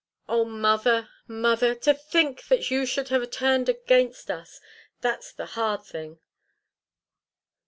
Oh, mother, mother to think that you should have turned against us! That's the hard thing!"